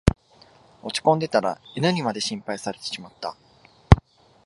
落ちこんでたら犬にまで心配されてしまった